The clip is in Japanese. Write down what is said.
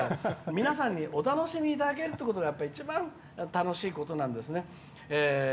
皆さんにお楽しみいただけるっていうことが一番楽しいことなんです。